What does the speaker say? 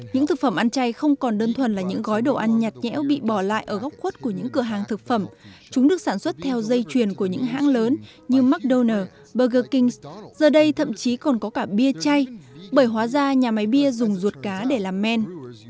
những thực phẩm ăn chay không còn đơn thuần là những gói đồ ăn nhạt nhẽo bị bỏ lại ở góc khuất của những cửa hàng thực phẩm chúng được sản xuất theo dây chuyền của những hãng lớn như mcdonald s giờ đây thậm chí còn có cả bia chay bởi hóa ra nhà máy bia dùng ruột cá để làm men